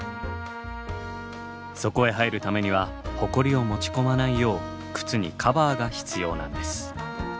そこへ入るためにはホコリを持ち込まないよう靴にカバーが必要なんです。